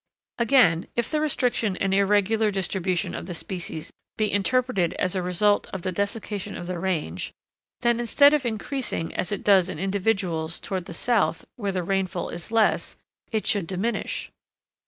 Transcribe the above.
Again, if the restriction and irregular distribution of the species be interpreted as a result of the desiccation of the range, then instead of increasing as it does in individuals toward the south where the rainfall is less, it should diminish.